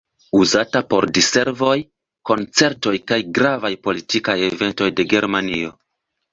Uzata por diservoj, koncertoj kaj gravaj politikaj eventoj de Germanio.